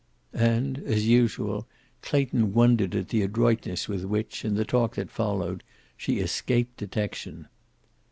And, as usual, Clayton wondered at the adroitness with which, in the talk that followed, she escaped detection.